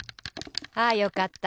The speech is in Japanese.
あよかった。